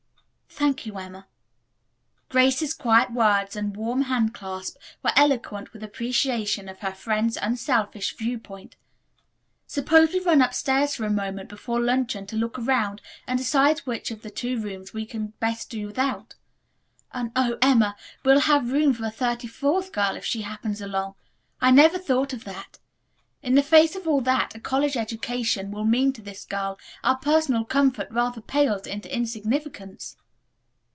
"Thank you, Emma," Grace's quiet words and warm handclasp were eloquent with appreciation of her friend's unselfish viewpoint, "Suppose we run upstairs for a moment before luncheon to look around and decide which of the two rooms we can best do without. And, O, Emma, we'll have room for a thirty fourth girl, if she happens along. I never thought of that. In the face of all that a college education will mean to this girl our personal comfort rather pales into insignificance."